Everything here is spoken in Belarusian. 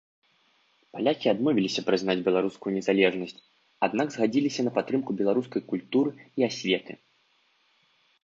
Палякі адмовіліся прызнаць беларускую незалежнасць, аднак згадзіліся на падтрымку беларускай культуры і асветы.